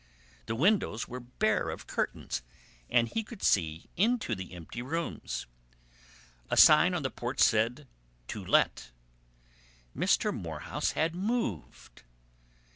The windows were bare of curtains and he could see into the empty rooms. A sign on the porch said, "To Let." Mr. Morehouse had moved!